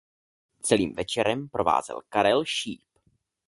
Celým večerem provázel Karel Šíp.